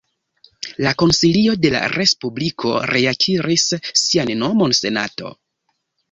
La Konsilio de la Respubliko reakiris sian nomon Senato.